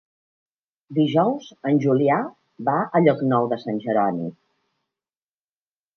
Dijous en Julià va a Llocnou de Sant Jeroni.